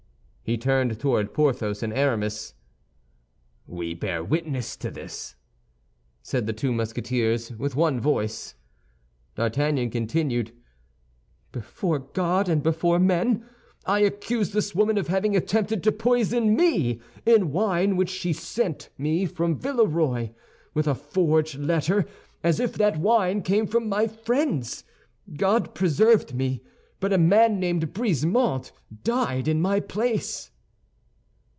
He turned towards Porthos and Aramis. "We bear witness to this," said the two Musketeers, with one voice. D'Artagnan continued: "Before God and before men, I accuse this woman of having attempted to poison me, in wine which she sent me from Villeroy, with a forged letter, as if that wine came from my friends. God preserved me, but a man named Brisemont died in my place."